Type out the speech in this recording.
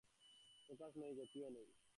Focus নেই, গতিও নেই।